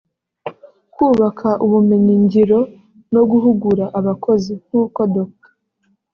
kubaka ubumenyi ngiro no guhugura abakozi; nk’uko Dr